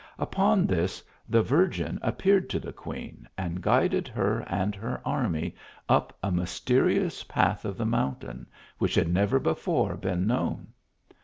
Upon this, the Virgin appeared to the queen, and guided her and her army up a mysterious path of the mountain, which had never before been known.